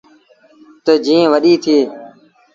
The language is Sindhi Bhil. تا جين وڏيٚ ٿئي ۔